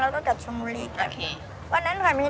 เขาก็เดินมาซื้อซื้อกัน